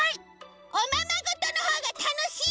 おままごとのほうがたのしい！